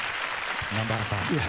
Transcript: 南原さん。